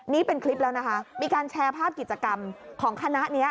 นี่เป็นคลิปแล้วนะคะมีการแชร์ภาพกิจกรรมของคณะนี้